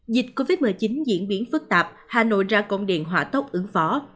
dịch covid một mươi chín diễn biến phức tạp hà nội ra công điện hỏa tốc ứng phó